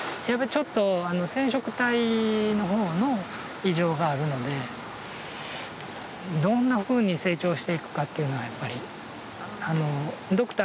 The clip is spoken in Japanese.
やっぱりちょっと染色体の方の異常があるのでどんなふうに成長していくかっていうのはやっぱりドクターでも読めないみたいで。